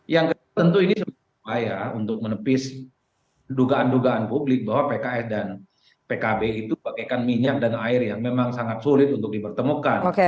yang ketentu ini semuanya untuk menepis dugaan dugaan publik bahwa pkb dan pkb itu memakai minyak dan air yang memang sangat sulit untuk dipertemukan